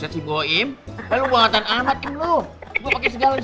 bebatu sifat bayi bisa ini tawar laman pagiirezhh